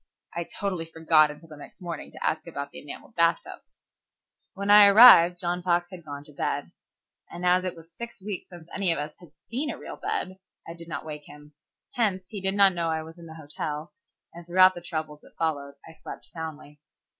I totally forgot until the next morning to ask about the enamelled bathtubs. When I arrived John Fox had gone to bed, and as it was six weeks since any of us had seen a real bed, I did not wake him. Hence, he did not know I was in the hotel, and throughout the troubles that followed I slept soundly.